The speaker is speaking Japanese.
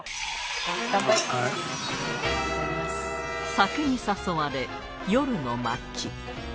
酒に誘われ夜の街